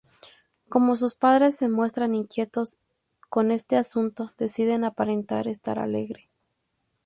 Como sus padres se muestran inquietos con este asunto, decide aparentar estar alegre.